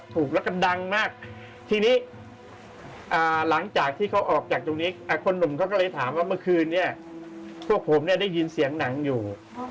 ถูกแล้วก็ดังมากทีนี้หลังจากที่เขาออกจากตรงนี้คนหนุ่มเขาก็เลยถามว่าเมื่อคืนเนี่ยพวกผมเนี่ยได้ยินเสียงหนังอยู่